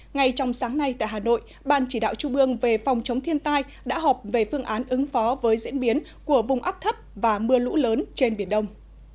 ngay trong sáng nay tại hà nội ban chỉ đạo trung ương về phòng chống thiên tai đã họp về phương án ứng phó với diễn biến của vùng áp thấp và mưa lũ lớn trên biển đông